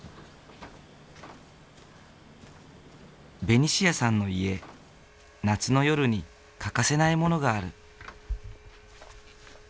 ベニシアさんの家夏の夜に欠かせないものがある。